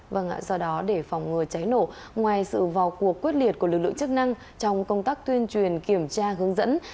vâng ạ sau đó để phòng ngừa cháy nổ ngoài sự vào cuộc quyết liệt của lực lượng chức năng trong công tác tuyên truyền kiểm tra hướng dẫn